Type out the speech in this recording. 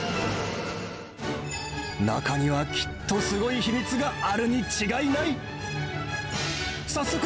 中にはきっとすごい秘密があるに違いない。